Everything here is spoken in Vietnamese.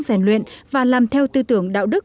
giàn luyện và làm theo tư tưởng đạo đức